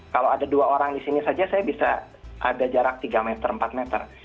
kalau ada dua orang di sini saja saya bisa ada jarak tiga meter empat meter